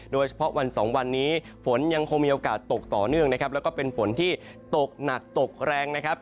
โดยเฉพาะวันสองวันนี้ฝนยังคงมีโอกาสตกต่อเนื่องนะครับแล้วก็เป็นฝนที่ตกหนักตกแรงนะครับ